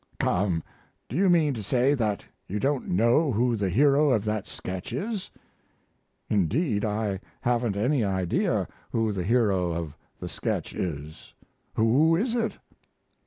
"Come, do you mean to say that you don't know who the hero of that sketch is?" "Indeed I haven't any idea who the hero of the sketch is. Who is it?"